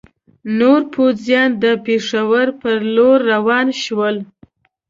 نور پوځیان د پېښور پر لور روان شول.